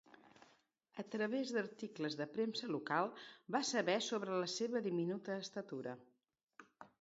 A través d'articles de premsa local va saber sobre la seva diminuta estatura.